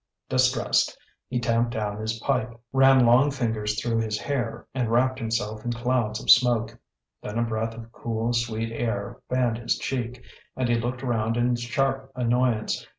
Distressed, he tamped down his pipe, ran long fingers through his hair, and wrapped himself in clouds of smoke. Then a breath of cool, sweet air fanned his cheek, and he looked round in sharp annoyance.